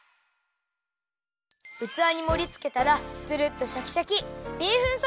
うつわにもりつけたらツルっとシャキシャキ！